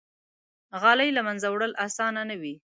غالۍ له منځه وړل آسانه نه وي.